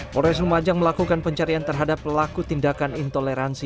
polres lumajang melakukan pencarian terhadap pelaku tindakan intoleransi